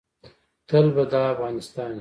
تل به دا افغانستان وي